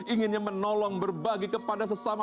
inginnya menolong berbagi kepada sesama